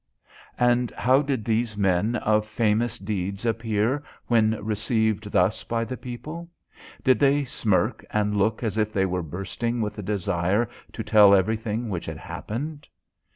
And how did these men of famous deeds appear when received thus by the people? Did they smirk and look as if they were bursting with the desire to tell everything which had happened?